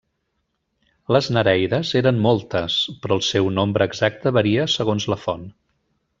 Les nereides eren moltes, però el seu nombre exacte varia segons la font.